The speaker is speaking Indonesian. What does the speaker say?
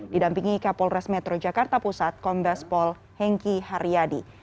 didampingi kapolres metro jakarta pusat kombes pol hengki haryadi